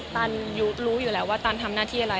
ตันรู้อยู่แล้วว่าตันทำหน้าที่อะไร